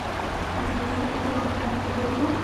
আমি কীভাবে তাদের অনুপ্রাণিত করব?